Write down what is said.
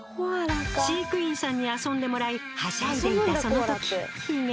飼育員さんに遊んでもらいはしゃいでいたその時悲劇が。